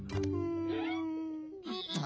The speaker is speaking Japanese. あ。